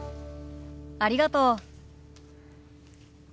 ありがとう。